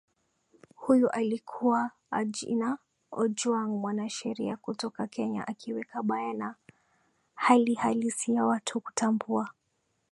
huyu alikuwa ajina ojwang mwanasheria kutoka kenya akiweka bayana hali halisi ya watu kutambua